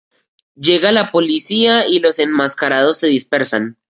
Llega la policía y los enmascarados se dispersan.